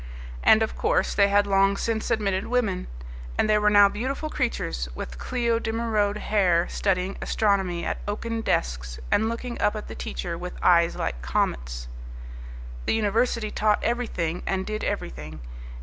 And, of course, they had long since admitted women, and there were now beautiful creatures with Cleo de Merode hair studying astronomy at oaken desks and looking up at the teacher with eyes like comets. The university taught everything and did everything.